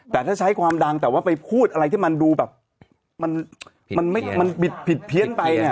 แต่ถ้าใช้ความดังแต่ว่าไปพูดอะไรที่มันดูแบบมันบิดผิดเพี้ยนไปเนี่ย